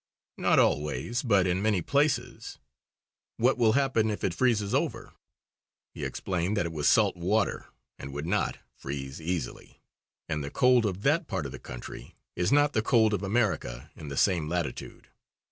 "Not always, but in many places." "What will happen if it freezes over?" He explained that it was salt water, and would not freeze easily. And the cold of that part of the country is not the cold of America in the same latitude.